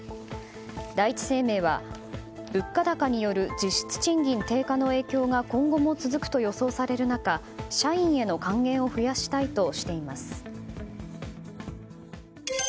第一生命は物価高による実質賃金低下の影響が今後も続くと予想される中社員への還元を増やしたいとしています。